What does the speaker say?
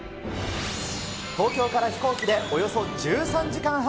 東京から飛行機でおよそ１３時間半。